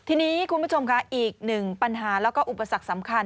ทีนี้คุณผู้ชมค่ะอีกหนึ่งปัญหาแล้วก็อุปสรรคสำคัญ